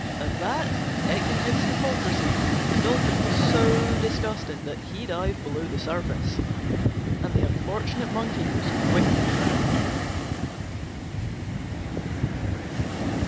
At that, detecting his hypocrisy, the Dolphin was so disgusted that he dived below the surface, and the unfortunate Monkey was quickly drowned.